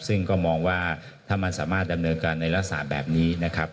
ซึ่งก็มองว่าถ้ามันสามารถดำเนินการในลักษณะแบบนี้นะครับ